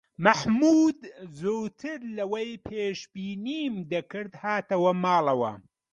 مەحموود زووتر لە ئەوی پێشبینیم دەکرد هاتەوە ماڵەوە.